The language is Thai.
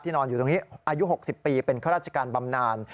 นอนอยู่ตรงนี้อายุ๖๐ปีเป็นข้าราชการบำนาน